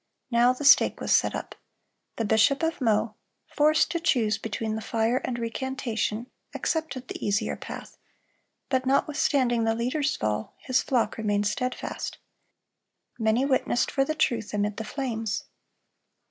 Now the stake was set up. The bishop of Meaux, forced to choose between the fire and recantation, accepted the easier path; but notwithstanding the leader's fall, his flock remained steadfast. Many witnessed for the truth amid the flames.